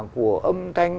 của âm thanh